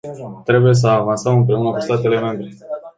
Trebuie să avansăm, împreună cu statele membre.